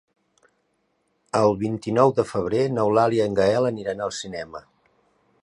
El vint-i-nou de febrer n'Eulàlia i en Gaël aniran al cinema.